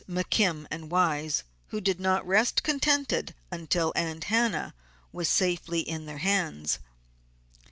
McKim and Wise, who did not rest contented until Aunt Hannah was safely in their hands.